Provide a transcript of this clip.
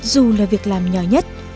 dù là việc làm nhỏ nhất